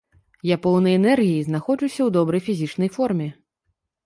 Я поўны энергіі, знаходжуся ў добрай фізічнай форме.